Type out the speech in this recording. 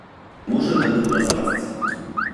Можа, гадоў праз дваццаць.